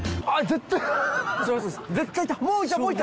絶対いた！